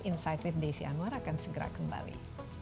insight with desi anwar akan segera kembali